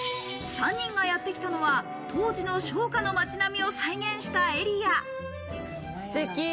３人がやってきたのは当時の商家の街並みを再現したエリア。